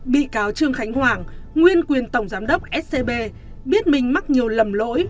bị cáo trương khánh hoàng nguyên quyền tổng giám đốc scb biết mình mắc nhiều lầm lỗi